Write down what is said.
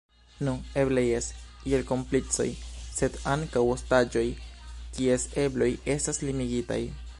Nu, eble jes, iel komplicoj sed ankaŭ ostaĝoj kies ebloj estas limigitaj.